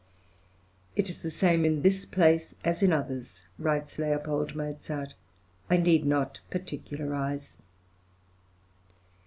"It is the same in this place as in others," writes L. Mozart, "I need not particularise."